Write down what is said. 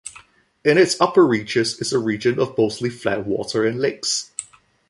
In its upper reaches is a region of mostly flat water and lakes.